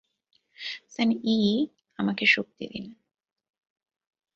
সান Yi, আমাকে শক্তি দিন।